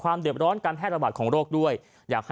ความเดียวร้อนการแพร่ระบาดของโรคด้วย